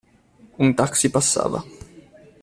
Un taxi passava.